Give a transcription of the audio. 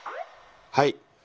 はい。